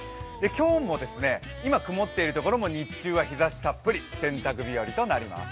今日も今、曇っているところも日中は日ざしたっぷり、洗濯日和となります。